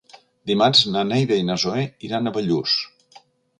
Dimarts na Neida i na Zoè iran a Bellús.